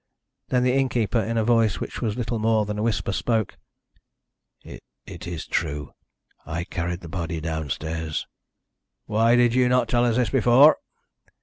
Then the innkeeper, in a voice which was little more than a whisper, spoke: "It is true. I carried the body downstairs." "Why did you not tell us this before?"